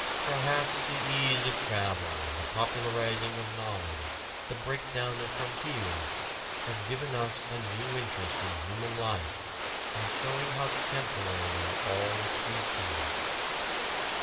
Perhaps the ease of travel, the popularizing of knowledge, the break down of frontiers have given us a new interest in human life by showing how temporary are all its instruments.